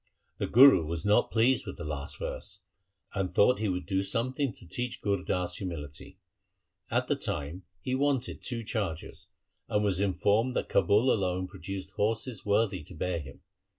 The Guru was not pleased with the last verse, and thought he would do something to teach Gur Das humility. At the time he wanted two chargers, and was informed that Kabul alone produced horses worthy to bear him.